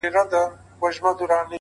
• ستا تر پښو دي صدقه سر د هامان وي ,